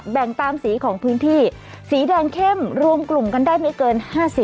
แบ่งตามสีของพื้นที่สีแดงเข้มรวมกลุ่มกันได้ไม่เกิน๕๐